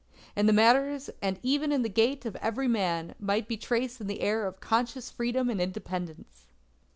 "In the manners and even in the gait of every man, might be traced the air of conscious freedom and independence."